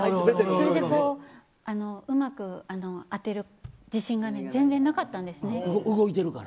それでうまく当てる自信が全然、なかったんですね。